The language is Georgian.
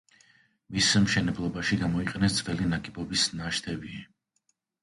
მის მშენებლობაში გამოიყენეს ძველი ნაგებობის ნაშთები.